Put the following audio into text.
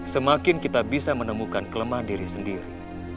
semakin kita bisa menemukan kelemahan diri sendiri